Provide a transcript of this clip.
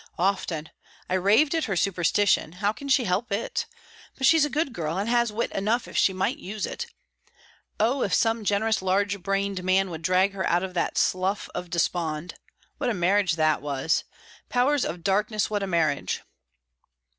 "Often. I rave at her superstition; how can she help it? But she's a good girl, and has wit enough if she might use it. Oh, if some generous, large brained man would drag her out of that slough of despond! What a marriage that was! Powers of darkness, what a marriage!"